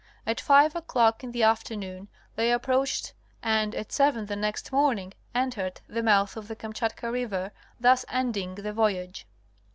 At five o'clock in the afternoon they approached and at seven the next morning entered the mouth of the Kamchatka river, thus ending the voyage.